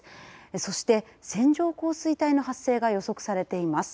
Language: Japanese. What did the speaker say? そして、線状降水帯の発生が予測されています。